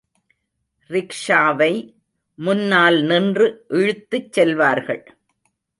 ரிக்ஷாவை முன்னால் நின்று இழுத்துச் செல்வார்கள்.